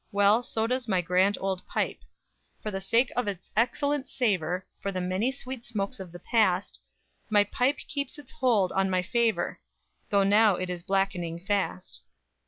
Well, so does my Grand Old Pipe._ _For the sake of its excellent savour, For the many sweet smokes of the past My pipe keeps its hold on my favour, Tho' now it is blackening fast.